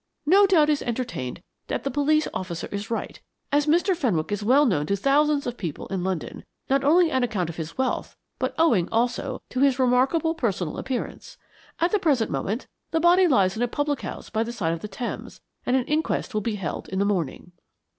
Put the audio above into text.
"No doubt is entertained that the police officer is right, as Mr. Fenwick was well known to thousands of people in London, not only on account of his wealth, but owing, also, to his remarkable personal appearance. At the present moment the body lies in a public house by the side of the Thames, and an inquest will be held in the morning.